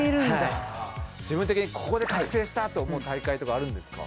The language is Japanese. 自分的にここで覚醒したと思う大会とかあるんですか？